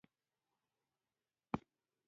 دښتې د معیشت یوه لویه سرچینه ده.